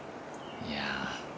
いや。